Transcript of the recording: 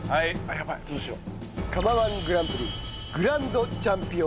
やばいどうしよう。